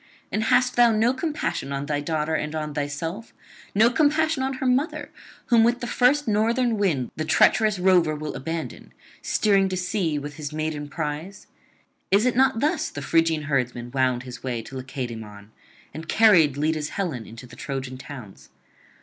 and hast thou no compassion on [361 392]thy daughter and on thyself? no compassion on her mother, whom with the first northern wind the treacherous rover will abandon, steering to sea with his maiden prize? Is it not thus the Phrygian herdsman wound his way to Lacedaemon, and carried Leda's Helen to the Trojan towns?